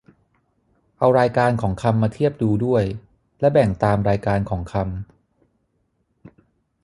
เอารายการของคำมาเทียบดูด้วย และแบ่งตามรายการของคำ